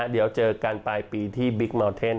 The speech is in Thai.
เดี๋ยวเจอกันปลายปีที่บิ๊กเมาเทน